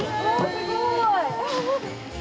すごい。